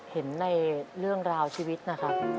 เห็นในเรื่องราวชีวิตนะครับ